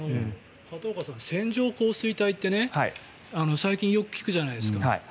片岡さん、線状降水帯って最近、よく聞くじゃないですか。